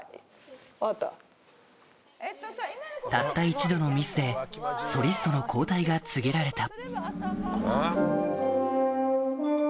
たった一度のミスでソリストの交代が告げられた